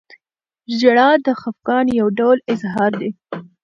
• ژړا د خفګان یو ډول اظهار دی.